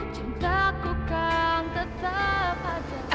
cintaku kan tetap ada